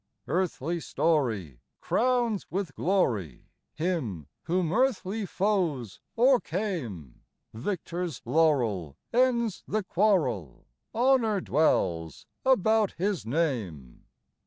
Earthly story crowns with glory Him whom earthly foes o'ercame ; Victor's laurel ends the quarrel, Honor dwells about His name.